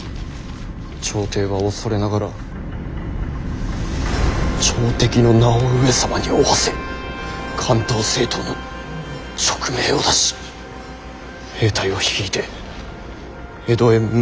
「朝廷は恐れながら朝敵の名を上様に負わせ関東征討の勅命を出し兵隊を率いて江戸へ向かうとの風説」。